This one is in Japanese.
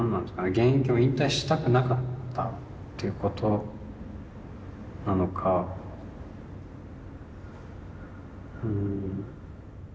現役を引退したくなかったってことなのかうん。